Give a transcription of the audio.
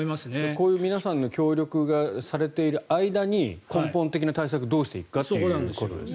こういう皆さんの協力がされている間に根本的な対策をどうしていくかということですよね。